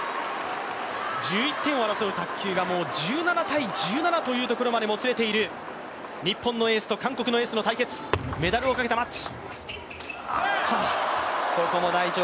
１１点を争う卓球が、１７−１７というところまでもつれている日本のエースと韓国のエースの対決、メダルをかけたマッチ。